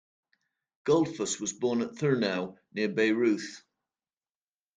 Goldfuss was born at Thurnau near Bayreuth.